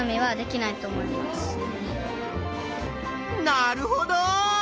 なるほど！